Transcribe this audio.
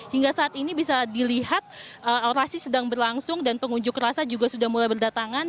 hingga saat ini bisa dilihat orasi sedang berlangsung dan pengunjuk rasa juga sudah mulai berdatangan